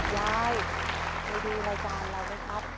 ยายเคยดูรายการเราไหมครับ